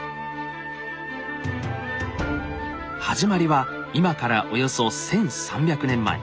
始まりは今からおよそ１，３００年前。